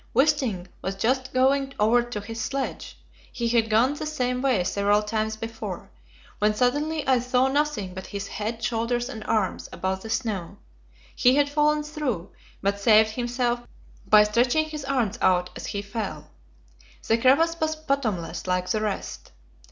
Wisting was just going over to his sledge he had gone the same way several times before when suddenly I saw nothing but his head, shoulders and arms above the snow. He had fallen through, but saved himself by stretching his arms out as he fell. The crevasse was bottomless, like the rest.